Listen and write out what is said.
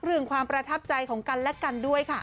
ความประทับใจของกันและกันด้วยค่ะ